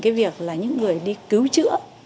cái việc là những người đi cứu chữa